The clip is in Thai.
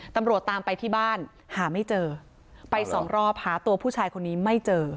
ตำรวจตามไปที่บ้านหาไม่เจอไปสองรอบหาตัวผู้ชายคนนี้ไม่เจอ